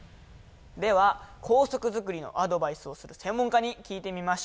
では校則づくりのアドバイスをする専門家に聞いてみましょう。